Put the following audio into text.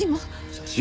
写真？